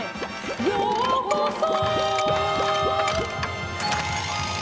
「ようこそ」